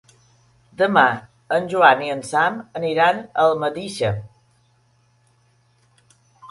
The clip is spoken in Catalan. Demà en Joan i en Sam aniran a Almedíxer.